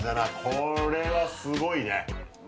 これはすごいね。